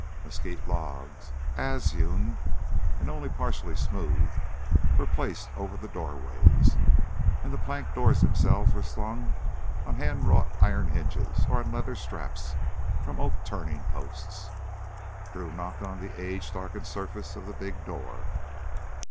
Mesquite logs, adze hewn and only partially smoothed, were placed over the doorways, and the plank doors themselves were slung on hand wrought iron hinges or on leather straps, from oak turning posts. Drew knocked on the age darkened surface of the big door.